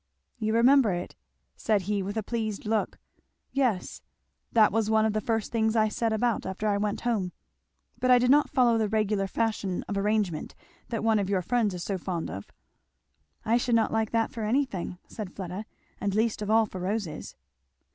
"You remember it?" said he with a pleased look. "Yes that was one of the first things I set about after I went home but I did not follow the regular fashion of arrangement that one of your friends is so fond of." "I should not like that for anything," said Fleda, "and least of all for roses."